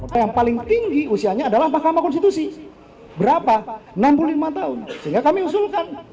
pemohon pertama bernama ryo saputro yang menyebut diri sebagai perwakilan dari aliansi sembilan puluh delapan